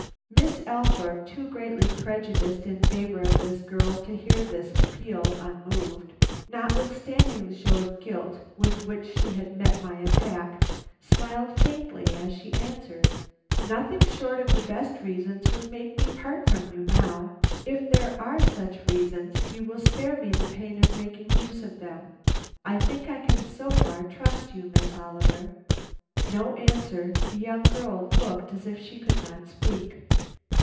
Miss Althorpe, too greatly prejudiced in favor of this girl to hear this appeal unmoved, notwithstanding the show of guilt with which she had met my attack, smiled faintly as she answered: "Nothing short of the best reasons would make me part from you now. If there are such reasons, you will spare me the pain of making use of them. I think I can so far trust you, Miss Oliver." No answer; the young girl looked as if she could not speak.